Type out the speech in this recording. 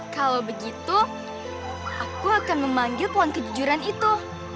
kalau begitu aku akan memanggil uang kejujuran itu